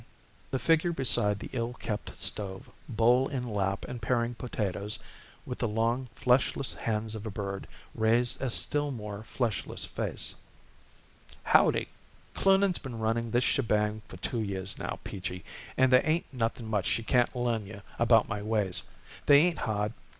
The figure beside the ill kept stove, bowl in lap and paring potatoes with the long fleshless hands of a bird, raised a still more fleshless face. "Howdy!" "Cloonan's been running this shebang for two years now, Peachy, and there ain't nothing much she can't learn you about my ways. They ain't hard.